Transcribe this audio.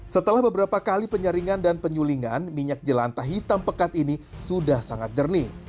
setelah beberapa kali penyaringan dan penyulingan minyak jelantah hitam pekat ini sudah sangat jernih